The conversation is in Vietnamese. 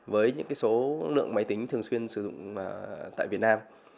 với những số lượng máy tính thường xuyên sử dụng tại việt nam